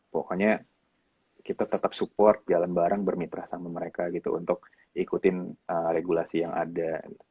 pokoknya kita tetap support jalan bareng bermitra sama mereka gitu untuk ikutin regulasi yang ada